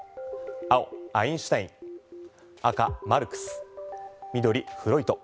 青、アインシュタイン赤、マルクス緑、フロイト。